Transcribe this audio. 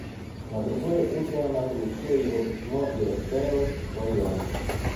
На другое утро она получила его письмо и раскаялась в своем.